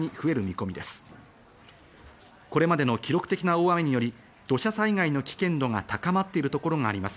これまでの記録的な大雨により土砂災害の危険度が高まっているところがあります。